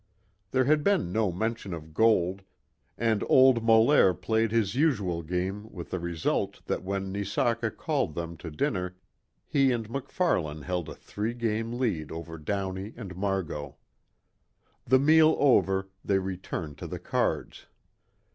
There had been no mention of gold, and old Molaire played his usual game with the result that when Neseka called them to dinner, he and MacFarlane held a three game lead over Downey and Margot. The meal over, they returned to the cards.